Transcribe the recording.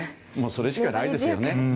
それしかないですよね。